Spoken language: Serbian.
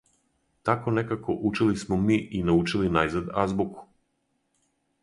Тако некако учили смо ми и научили најзад азбуку.